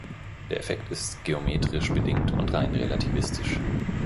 Der Effekt ist geometrisch bedingt und rein relativistisch.